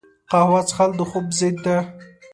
قهوه څښل د خوب ضد ده